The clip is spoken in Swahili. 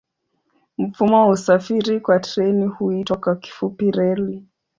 Mfumo wa usafiri kwa treni huitwa kwa kifupi reli.